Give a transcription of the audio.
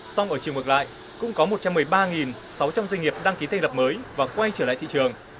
xong ở trường vực lại cũng có một trăm một mươi ba sáu trăm linh doanh nghiệp đăng ký tên lập mới và quay trở lại thị trường